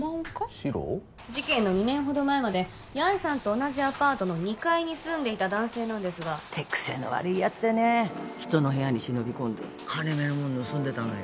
しろう？事件の２年ほど前までヤエさんと同じアパートの２階に住んでいた男性なんですが手癖の悪い奴でね人の部屋に忍び込んで金目の物盗んでたのよ